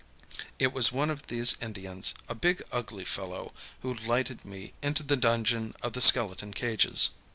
It was one of these Indians, a big, ugly fellow, who lighted me into the dungeon of the skeleton cages.